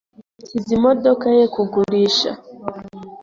yashyize imodoka ye kugurisha.